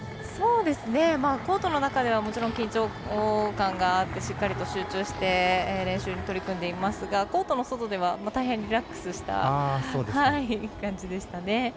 コートの中ではもちろん緊張感があってしっかりと集中して練習に取り組んでいますがコートの外では大変リラックスした感じでしたね。